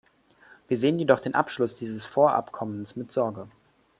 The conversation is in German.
Wir sehen jedoch den Abschluss dieses Vorabkommens mit Sorge.